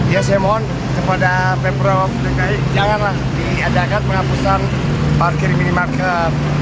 ya saya mohon kepada pemprov dan gai janganlah diadakan menghapuskan parkir di minimarket